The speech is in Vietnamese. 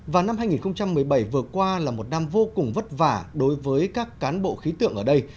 và năm hai nghìn một mươi bảy vừa qua là một năm vô cùng vất vả đối với các cán bộ khí tượng ở đây